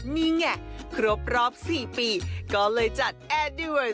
นี่ไงครบสี่ปีก็เลยจัดแอร์ดูล